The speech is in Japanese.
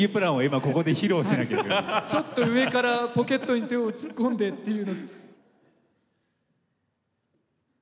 ちょっと上からポケットに手を突っ込んでっていう。